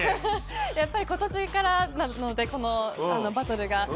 やっぱり、今年からなのでこのバトルが。